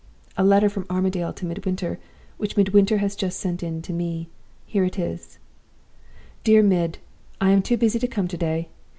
A letter from Armadale to Midwinter, which Midwinter has just sent in to me. Here it is: "'DEAR MID I am too busy to come to day.